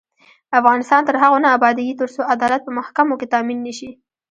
افغانستان تر هغو نه ابادیږي، ترڅو عدالت په محکمو کې تامین نشي.